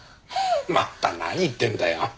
また何言ってんだよ。